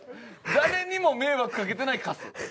誰にも迷惑かけてないカス。